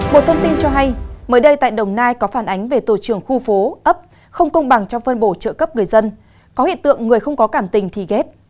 một thông tin cho hay mới đây tại đồng nai có phản ánh về tổ trưởng khu phố ấp không công bằng trong phân bổ trợ cấp người dân có hiện tượng người không có cảm tình thì ghét